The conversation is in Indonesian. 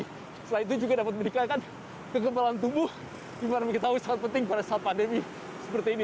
setelah itu juga dapat meningkatkan kegembaran tubuh dimana kita tahu sangat penting pada saat pandemi seperti ini